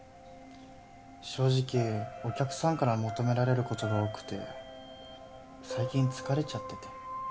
正直お客さんから求められることが多くて最近疲れちゃってて。